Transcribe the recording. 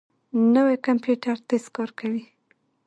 نوی کمپیوټر تېز کار کوي